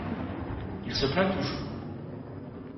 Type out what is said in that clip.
Il se plaint toujours.